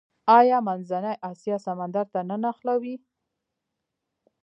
آیا منځنۍ اسیا سمندر ته نه نښلوي؟